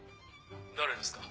誰ですか？